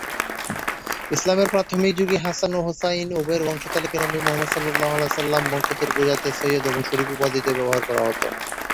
ইসলামের প্রাথমিক যুগে হাসান ও হোসাইন উভয়ের বংশতালিকায় নবী মুহাম্মদ বংশধর বুঝাতে সৈয়দ এবং শরীফ উপাধিদ্বয় ব্যবহার করা হত।